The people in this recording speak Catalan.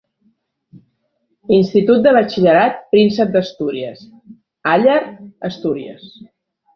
Institut de Batxillerat Príncep d'Astúries, Aller, Astúries.